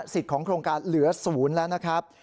ของโครงการเหลือ๐แล้วนะครับ